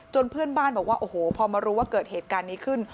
เพื่อนบ้านบอกว่าโอ้โหพอมารู้ว่าเกิดเหตุการณ์นี้ขึ้น